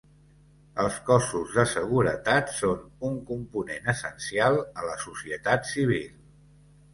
Els cossos de seguretat són un component essencial a la societat civil.